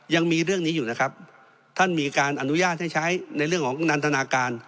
ยังมีเรื่องนี้อยู่นะครับท่านมีการอนุญาตให้ใช้ในเรื่องของนันทนาการ